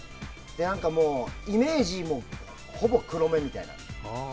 イメージ、もうほぼ黒目みたいな。